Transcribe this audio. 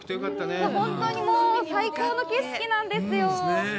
もう本当に最高の景色なんですよ。